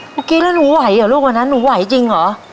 เมื่อกี้แล้วหนูไหวเหรอลูกวันนั้นหนูไหวจริงเหรอ